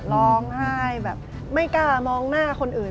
ร้องไห้แบบไม่กล้ามองหน้าคนอื่น